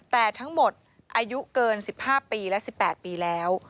แต่ทั้งหมดอายุเกิน๑๕ปีและ๑๘ปีแล้ว